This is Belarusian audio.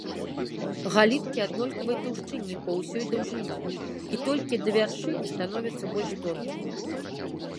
Галінкі аднолькавай таўшчыні па ўсёй даўжыні і толькі да вяршыні становяцца больш тонкімі.